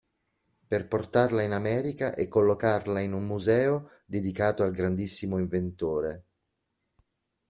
Per portarla in America e collocarla in un museo dedicato al grandissimo inventore…